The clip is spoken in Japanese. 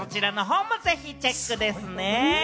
そちらの方もぜひチェックですね。